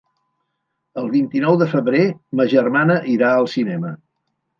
El vint-i-nou de febrer ma germana irà al cinema.